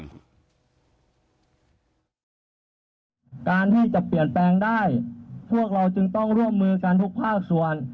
การที่จะเปลี่ยนแปลงได้พวกเราจึงต้องร่วมมือกันทุกภาคส่วน